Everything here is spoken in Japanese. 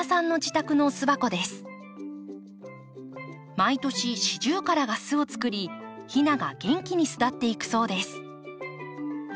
毎年シジュウカラが巣を作りひなが元気に巣立っていくそうです。